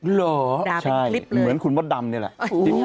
เหลือด่าเป็นคลิปเลยเหมือนคุณบ๊อตดำเนี่ยแหละ